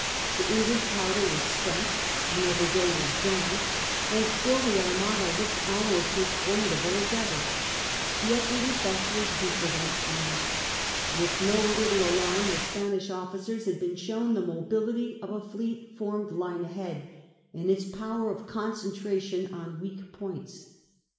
The English powder was spent, another day was gone, and still the Armada looked almost as formidable as ever. Yet the effect was deeper than it seemed. With no little alarm the Spanish officers had been shown the mobility of a fleet formed line ahead, and its power of concentra tion on weak points.